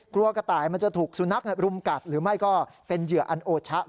กลัวกระต่ายจะถูกโซนนักหรืออุดหัว